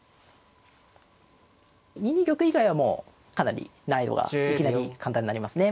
２二玉以外はもうかなり難易度がいきなり簡単になりますね。